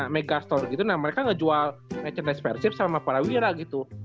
megastol gitu nah mereka ngejual merchandise persib sama para wira gitu